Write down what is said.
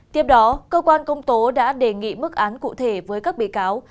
tiếp đó cơ quan công tố đã đề nghị mức án cụ thể với các bị cáo